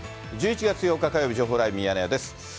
１１月８日火曜日、情報ライブミヤネ屋です。